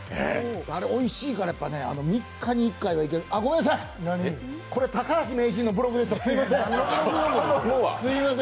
あれ、おいしいから３日に１回はいけるあ、ごめんなさい、これ高橋名人のブログでした、すみません！